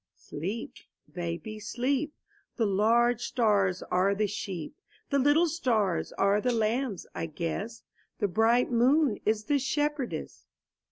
Sleep, baby, sleep! ' The large stars are the sheep; The little stars are the lambs, I guess; The bright moon is the shepherdess.